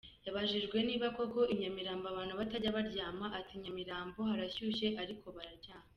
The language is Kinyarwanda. Yabajijwe niba koko I Nyamirambo abantu batajya baryama ati ‘I Nyamirambo harashyushye ariko bararyama’.